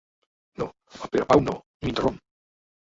No, el Perepau no —m'interromp—.